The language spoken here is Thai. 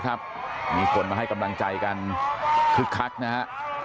มีคนมาให้กำลังใจกันคึกคักนะฮะ